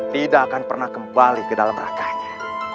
tidak akan pernah kembali ke dalam rakahnya